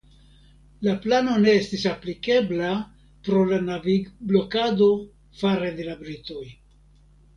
La plano ne estis aplikebla pro la navigblokado fare de la britoj.